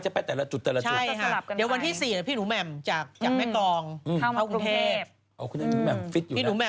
พี่หนูแมนจากจากแม่กองเข้าเคราะห์กรุงเทพ